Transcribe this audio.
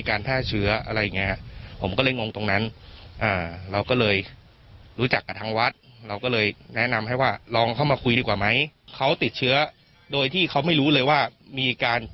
เขาติดเชื้อโดยที่เขาไม่รู้เลยว่า